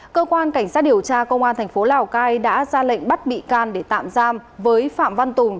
cơ quan cảnh sát điều tra công an thành phố lào cai đã ra lệnh bắt bị can để tạm giam với phạm văn tùng